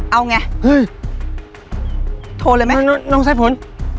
เอาไงเฮ้ยโทรเลยมั้ยน้องน้องน้องสายฝน